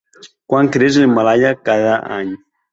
Quan creix l'Himàlaia cada any?